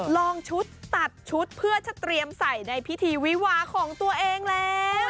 ลองชุดตัดชุดเพื่อจะเตรียมใส่ในพิธีวิวาของตัวเองแล้ว